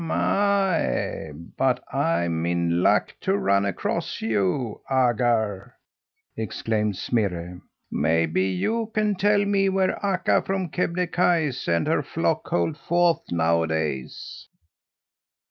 "My, but I'm in luck to run across you, Agar!" exclaimed Smirre. "Maybe you can tell me where Akka from Kebnekaise and her flock hold forth nowadays?"